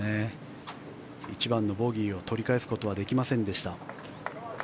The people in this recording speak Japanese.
１番のボギーを取り返すことはできませんでした。